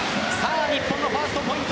日本のファーストポイント